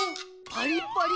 パリッパリ。